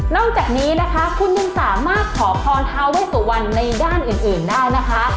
จากนี้นะคะคุณยังสามารถขอพรทาเวสุวรรณในด้านอื่นได้นะคะ